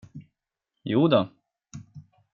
Jo då.